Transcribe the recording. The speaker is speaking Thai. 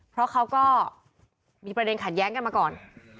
เพราะเขาก็มีประเด็นขัดแย้งกันมาก่อน